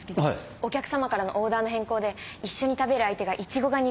お客様からのオーダーの変更で一緒に食べる相手がいちごが苦手らしいんです。